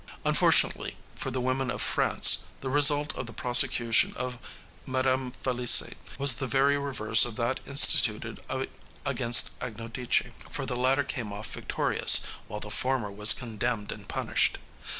Unfortunately for the women of France, the result of the prosecution of Mme. Felicie was the very reverse of that instituted against Agnodice; for the latter came off victorious, while the former was condemned and punished.